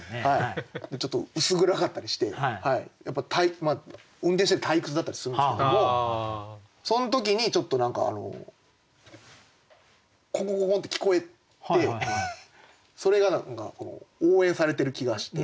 ちょっと薄暗かったりして運転してて退屈だったりするんですけどもその時にちょっと何かコンコンコンコンって聞こえてそれが何か応援されてる気がして。